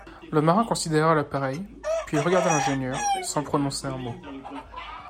Le marin considéra l’appareil, puis il regarda l’ingénieur sans prononcer un mot.